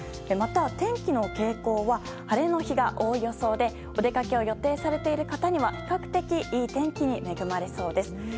また、天気の傾向は晴れの日が多い予想でお出かけを予定されている方には比較的いい天気に恵まれそうです。